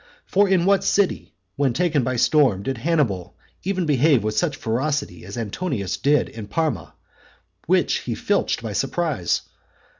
For in what city, when taken by storm, did Hannibal even behave with such ferocity as Antonius did in Parma, which he filched by surprise?